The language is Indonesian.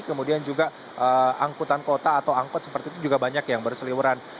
kemudian juga angkutan kota atau angkot seperti itu juga banyak yang berseliwuran